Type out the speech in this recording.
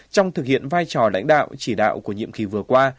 trong thực hiện vai trò lãnh đạo chỉ đạo của nhiệm kỳ vừa qua